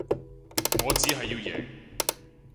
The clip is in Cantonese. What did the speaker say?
我只係要贏